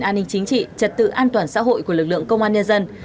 an ninh chính trị trật tự an toàn xã hội của lực lượng công an nhân dân